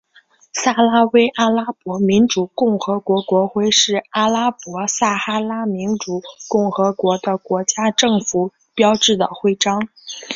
撒拉威阿拉伯民主共和国国徽是阿拉伯撒哈拉民主共和国的国家政府标志徽章。